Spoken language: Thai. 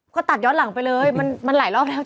ก็ตัดย้อนหลังไปเลยมันหลายรอบแล้ว